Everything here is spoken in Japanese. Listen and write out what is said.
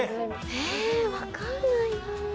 え分かんないな。